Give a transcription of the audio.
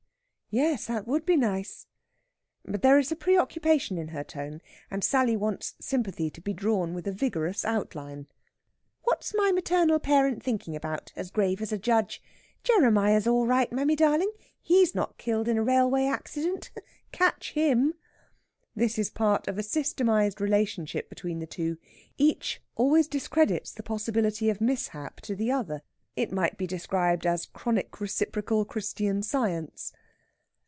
Yes, that would be nice." But there is a preoccupation in her tone, and Sally wants sympathy to be drawn with a vigorous outline. "What's my maternal parent thinking about, as grave as a judge? Jeremiah's all right, mammy darling! He's not killed in a railway accident. Catch him!" This is part of a systematized relationship between the two. Each always discredits the possibility of mishap to the other. It might be described as chronic reciprocal Christian Science.